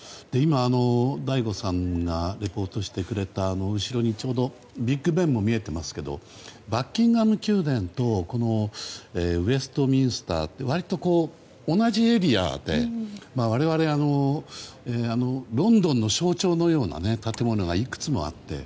今、醍醐さんがリポートしてくれた後ろに、ちょうどビッグベンも見えていますがバッキンガム宮殿とこのウェストミンスターって割と同じエリアでロンドンの象徴のような建物がいくつもあって。